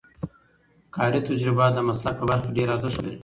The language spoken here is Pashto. کاري تجربه د مسلک په برخه کې ډېر ارزښت لري.